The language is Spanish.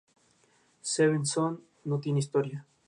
Seventh son... no tiene historia.